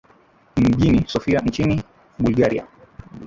mjini sophia nchini bulgaria